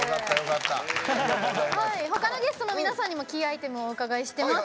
他のゲストの皆さんにもキーアイテムお伺いしてます。